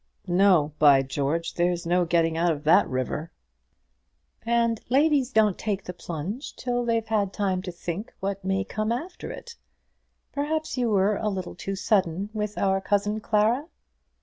"No, by George! There's no getting out of that river." "And ladies don't take the plunge till they've had time to think what may come after it. Perhaps you were a little too sudden with our cousin Clara?"